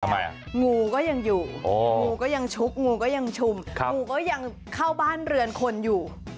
ทำไมอ่ะงูก็ยังอยู่งูก็ยังชุกงูก็ยังชุมงูก็ยังเข้าบ้านเรือนคนอยู่